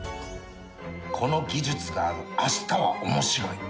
この技術がある明日は面白い